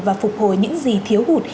và phục hồi những gì thiếu hụt